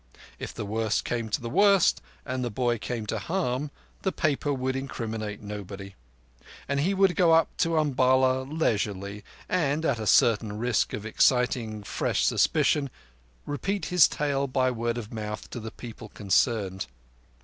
If the worst came to the worst, and the boy came to harm, the paper would incriminate nobody. And he would go up to Umballa leisurely and—at a certain risk of exciting fresh suspicion—repeat his tale by word of mouth to the people concerned.